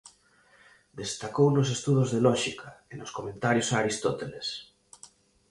Destacou nos estudos de lóxica e nos comentarios a Aristóteles.